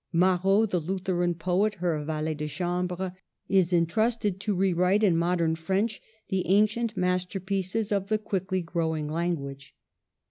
Marot, the Lutheran poet, her valet de chambre^ is intrusted to rewrite in modern French the ancient masterpieces of the quickly growing language.